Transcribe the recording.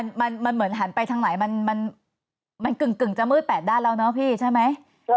มันเหมือนหันไปทางไหนมันกึ่งจะมืดแปดด้านแล้วเนอะพี่ใช่ไหม